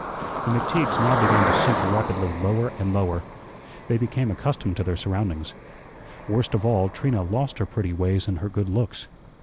The McTeagues now began to sink rapidly lower and lower. They became accustomed to their surroundings. Worst of all, Trina lost her pretty ways and her good looks.